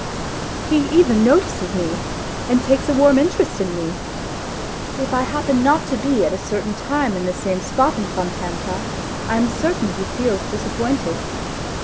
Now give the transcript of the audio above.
He even notices me and takes a warm interest in me. If I happen not to be at a certain time in the same spot in Fontanka, I am certain he feels disappointed.